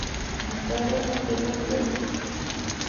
Guitarras: Elmer Ferrer.